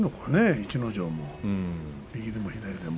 逸ノ城は、右でも左でも。